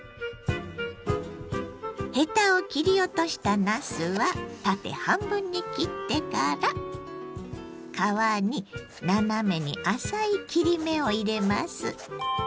ヘタを切り落としたなすは縦半分に切ってから皮に斜めに浅い切り目を入れます。